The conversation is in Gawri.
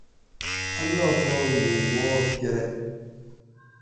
اللّٰہ پاک موُ مُعاف کۤرئ